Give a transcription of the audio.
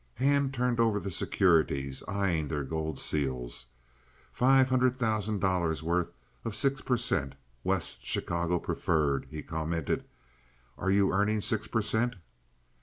Hand turned over the securities, eying their gold seals. "Five hundred thousand dollars' worth of six per cent. West Chicago preferred," he commented. "Are you earning six per cent.?"